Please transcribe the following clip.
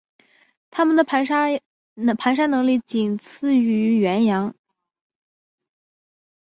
它们的爬山能力仅次于羱羊。